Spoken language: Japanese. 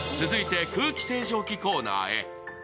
続いて空気清浄機のコーナーへ。